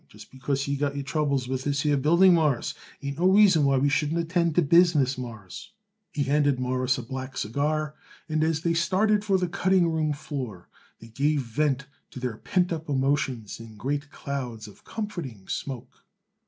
Just because you got your troubles with this here building, Mawruss, ain't no reason why we shouldn't attend to business, Mawruss." He handed Morris a black cigar, and as they started for the cutting room they gave vent to their pent up emotions in great clouds of comforting smoke.